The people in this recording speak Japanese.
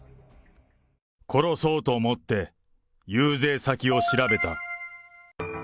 殺そうと思って、遊説先を調べた。